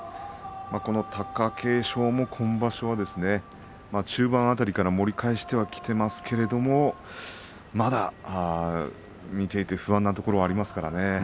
貴景勝は今場所中盤辺りから盛り返してはきていますけれどまだ見ていて不安なところがありますからね。